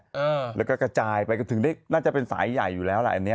เออแล้วก็กระจายไปถึงได้น่าจะเป็นสายใหญ่อยู่แล้วแหละอันเนี้ย